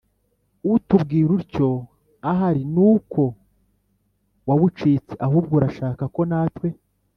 utubwira utyo, ahari ni uko wawucitse. Ahubwo urashaka ko natwe